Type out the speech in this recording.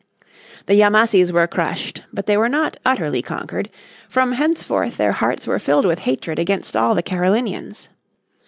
The Yamassees were crushed, but they were not utterly conquered, from henceforth their hearts were filled with hatred against all the Carolinians.